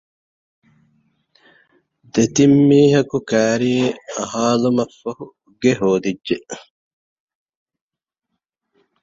ދެތިން މީހަކު ކައިރީ އަހާލުމަށްފަހު ގެ ހޯދިއްޖެ